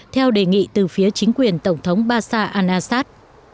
theo đề nghị từ phía chính quyền tổng thống bashar al assad